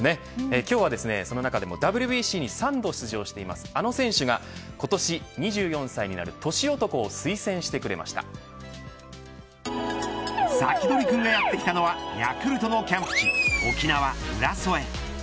今日はその中でもＷＢＣに３度出場しているあの選手が今年、２４歳になる年男をサキドリくんがやってきたのはヤクルトのキャンプ地沖縄、浦添。